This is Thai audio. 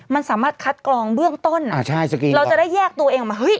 มันสามารถคัดกรองเบื้องต้นอ่าใช่สกรีเราจะได้แยกตัวเองออกมาเฮ้ย